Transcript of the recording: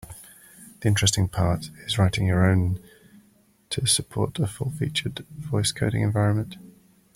The interesting part is writing your own to support a full-featured voice coding environment.